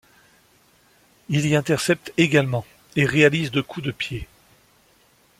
Il y intercepte également et réalise de coup de pied.